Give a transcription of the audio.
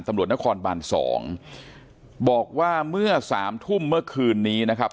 ตำรวจนครบานสองบอกว่าเมื่อสามทุ่มเมื่อคืนนี้นะครับ